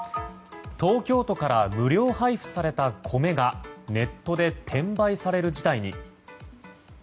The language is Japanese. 東京都から無料配布された米がネットで転売される事態に。